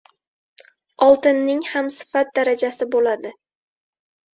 • Oltinning ham sifat darajasi bo‘ladi.